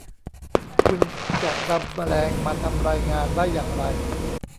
คุณจะนำแมลงมาทำรายงานได้อย่างไร